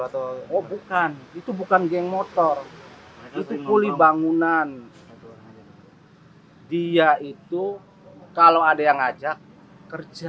betul oh bukan itu bukan geng motor itu pulih bangunan dia itu kalau ada yang ngajak kerja